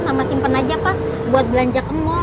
mama simpen aja pak buat belanja kemu